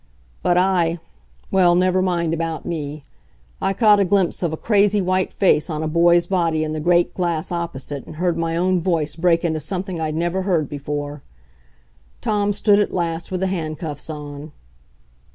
But I well, never mind about me. I caught a glimpse of a crazy white face on a boy's body in the great glass opposite and heard my own voice break into something I'd never heard before. Tom stood at last with the handcuffs on.